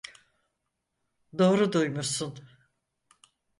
Doğru duymuşsun.